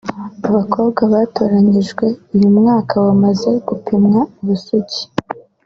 Abakobwa batoranyijwe uyu mwaka bamaze gupimwa ubusugi